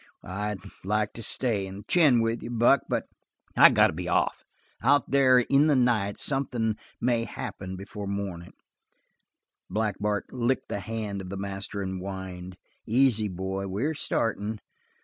"I'd like to stay and chin with you, Buck but, I got to be off. Out there in the night something may happen before mornin'." Black Bart licked the hand of the master and whined. "Easy, boy. We're startin'."